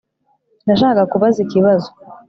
Nashakaga kubaza ikibazo